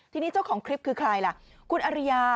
ที่นี่เจ้าของคลิปคือใครล่ะ